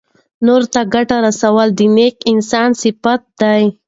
نورو ته ګټه رسول د نېک انسان صفت دی.